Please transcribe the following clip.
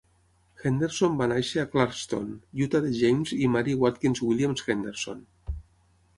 Henderson va néixer a Clarkston, Utah de James i Mary Watkins Williams Henderson.